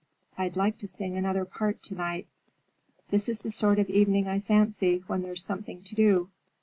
"I'd like to sing another part to night. This is the sort of evening I fancy, when there's something to do.